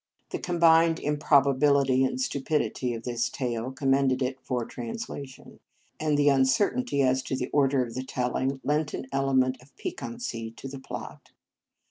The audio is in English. The combined improbability and stupidity of this tale commended it for translation, and the uncertainty as to the order of the telling lent an ele ment of piquancy to the plot.